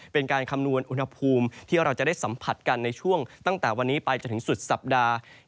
เป็นการคำนวณอุณหภูมิที่เราจะได้สัมผัสกันในช่วงตั้งแต่วันนี้ไปจนถึงสุดสัปดาห์